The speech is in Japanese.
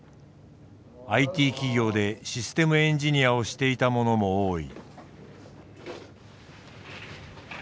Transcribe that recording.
ＩＴ企業でシステムエンジニアをしていた者も多い。